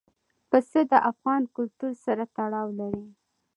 پسه د افغان کلتور سره تړاو لري.